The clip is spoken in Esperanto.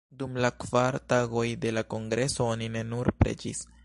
Dum la kvar tagoj de la kongreso oni ne nur preĝis.